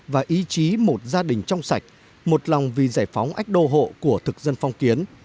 và ý chí một gia đình trong sạch một lòng vì giải phóng ách đô hộ của thực dân phong kiến